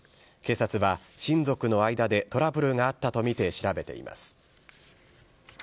警察は、親族の間でトラブルがあったと見て調べています。